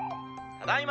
「ただいま」。